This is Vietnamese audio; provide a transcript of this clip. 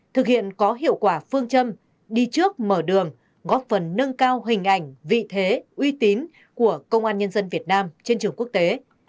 thực hiện có hiệu quả phương châm đi trước mở đường góp phần nâng cao hình ảnh vị thế uy tín của công an nhân dân việt nam trên trường quốc tế